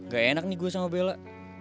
gak enak nih gue sama bella